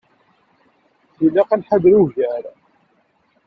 Tilaq ad nḥader ugar.